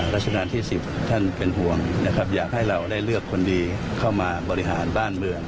ราชการที่๑๐ท่านเป็นห่วงนะครับอยากให้เราได้เลือกคนดีเข้ามาบริหารบ้านเมือง